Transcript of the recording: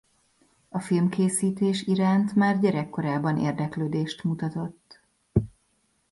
A filmkészítés iránt már gyerekkorában érdeklődést mutatott.